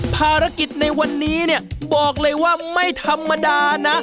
ภารกิจในวันนี้เนี่ยบอกเลยว่าไม่ธรรมดานะ